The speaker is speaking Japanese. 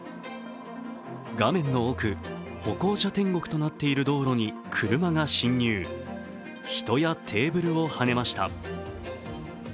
画面の奥、歩行者天国となっている道路に車が侵入、人やテーブルをはねました。